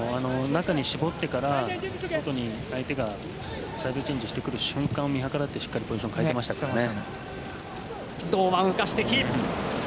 中に絞ってから外にいる相手がサイドチェンジしてくる瞬間を見計らってポジションを変えてましたからね。